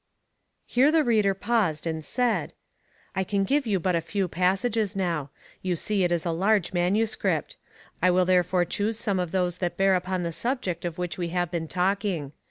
'" Here the reader paused and said, "I can give you but a few passages now. You see it is a large manuscript. I will therefore choose some of those that bear upon the subject of which we have been talking.